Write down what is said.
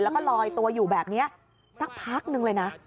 แล้วก็ลอยตัวอยู่แบบนี้สักพักนึงเลยนะ